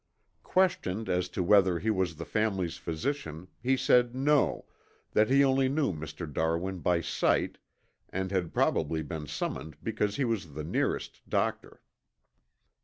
Questioned as to whether he was the family's physician, he said no, that he only knew Mr. Darwin by sight and had probably been summoned because he was the nearest doctor.